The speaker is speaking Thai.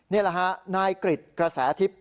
นี่แหละฮะนายกริจกระแสทิพย์